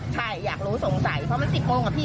ใช่อยากรู้สงสัยเพราะมัน๑๐โมงอะพี่